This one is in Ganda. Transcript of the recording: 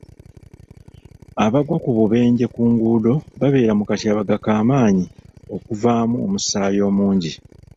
Abagwa ku bubenje ku nguudo babeera mu katyabaga ka maanyi okuvaamu omusaayi omungi.